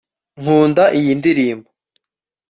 nkunda iyi ndirimbo